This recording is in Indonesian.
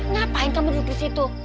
ngapain kamu duduk disitu